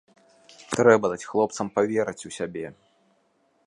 Трэба даць хлопцам паверыць у сябе.